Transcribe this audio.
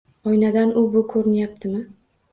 Oynadan u-bu koʻrinyaptimi